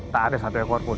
tak ada satu ekor pun